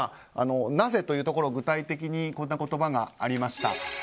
なぜというところ、具体的にこういった言葉がありました。